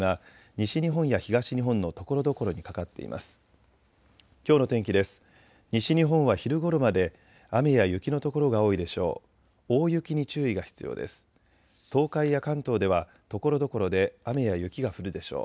西日本は昼ごろまで雨や雪の所が多いでしょう。